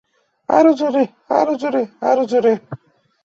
অমিত ও লাবণ্য শৈশবের বন্ধু।